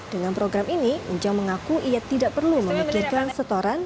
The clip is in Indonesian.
dengan program ini ujang mengaku ia tidak perlu memikirkan setoran